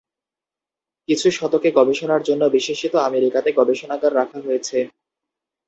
কিছু শতকে গবেষণার জন্য বিশেষত আমেরিকাতে গবেষণাগারে রাখা হয়েছে।